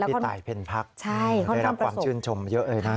พี่ตายเพ่นภักดิ์ได้รับความชื่นชมเยอะเอ่ยนะฮะ